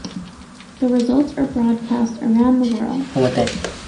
The results are broadcast around the world.